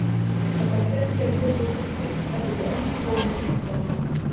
На канцэрце абодва гурты адыграюць поўную праграму.